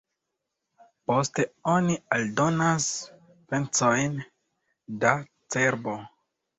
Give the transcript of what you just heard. Poste oni aldonas pecojn da cerbo.